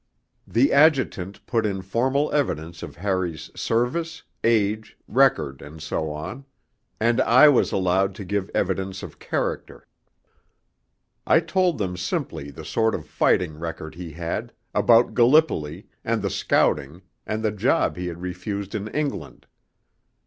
The Adjutant put in formal evidence of Harry's service, age, record, and so on; and I was allowed to give evidence of character. I told them simply the sort of fighting record he had, about Gallipoli, and the scouting, and the job he had refused in England.